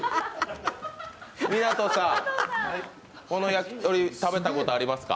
湊さん、このやきとり食べたことありますか？